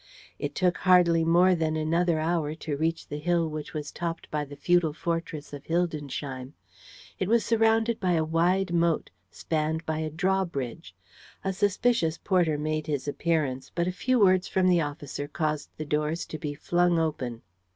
It took hardly more than another hour to reach the hill which was topped by the feudal fortress of Hildensheim. It was surrounded by a wide moat, spanned by a draw bridge. A suspicious porter made his appearance, but a few words from the officer caused the doors to be flung open.